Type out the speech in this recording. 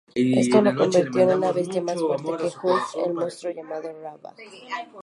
Esto lo convirtió en una bestia más fuerte que Hulk: el monstruo llamado Ravage.